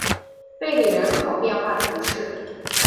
贝里人口变化图示